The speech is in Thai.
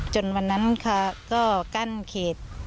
จนวันนั้นก็กั้นเขต